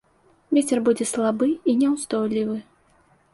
Вецер будзе слабы і няўстойлівы.